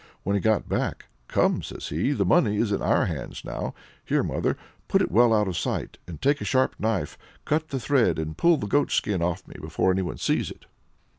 When he got back, "Come," says he, "the money is in our hands now. Here, mother, put it well out of sight, and take a sharp knife, cut the thread, and pull the goatskin off me before anyone sees it."